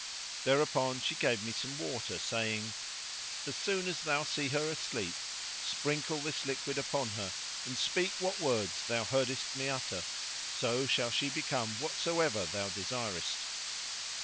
Thereupon she gave me some water, saying, "As soon as thou see her asleep, sprinkle this liquid upon her and speak what words thou heardest me utter, so shall she become whatsoever thou desirest."